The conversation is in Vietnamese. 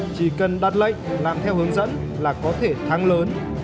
chỉ cần đặt lệnh làm theo hướng dẫn là có thể thắng lớn